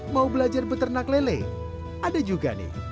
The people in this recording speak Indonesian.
mau belajar beternak lele ada juga nih